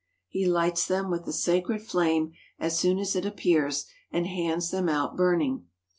He lights them with the sacred flame as soon as it appears and hands them out burning.